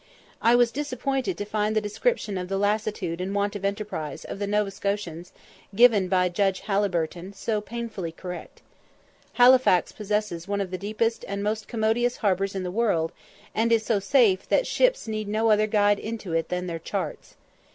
I was disappointed to find the description of the lassitude and want of enterprise of the Nova Scotians, given by Judge Halliburton, so painfully correct. Halifax possesses one of the deepest and most commodious harbours in the world, and is so safe that ships need no other guide into it than their charts.